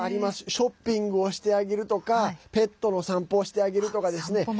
ショッピングをしてあげるとかペットの散歩をしてあげるとかですね。